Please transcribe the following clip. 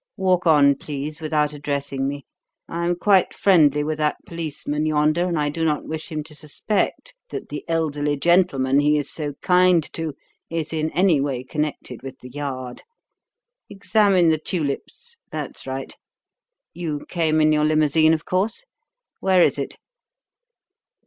Walk on, please, without addressing me. I am quite friendly with that policeman yonder and I do not wish him to suspect that the elderly gentleman he is so kind to is in any way connected with The Yard. Examine the tulips. That's right. You came in your limousine, of course? Where is it?"